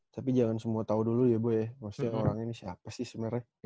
tapi jangan semua tahu dulu ya bu ya maksudnya orang ini siapa sih sebenarnya